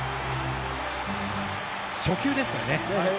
初球でしたよね。